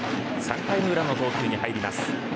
３回裏の投球に入ります。